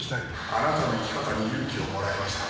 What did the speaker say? あなたの生き方に勇気をもらいました。